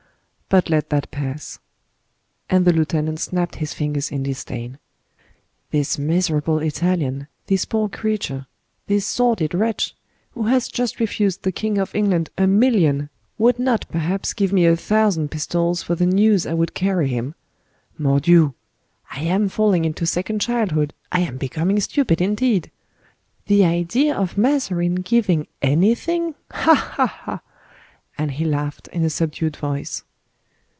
But let that pass." And the lieutenant snapped his fingers in disdain. "This miserable Italian—this poor creature—this sordid wretch—who has just refused the king of England a million, would not perhaps give me a thousand pistoles for the news I would carry him. Mordioux! I am falling into second childhood—I am becoming stupid indeed! The idea of Mazarin giving anything! ha! ha! ha!" and he laughed in a subdued voice.